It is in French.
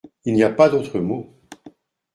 Il n’y a pas d’autre mot.